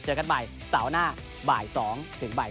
เจอกันใหม่เสาร์หน้าบ่าย๒ถึงบ่าย